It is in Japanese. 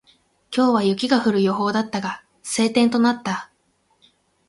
今日は雪が降る予報だったが、晴天となった。